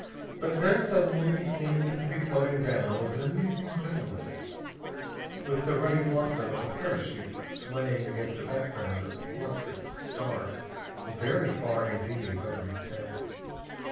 But very suddenly he seemed to be floating down with an amazing gentleness, with the ruddy blossom of a parachute swaying against a background of lustrous stars very far indeed over his head.